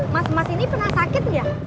mas mas ini pernah sakit nggak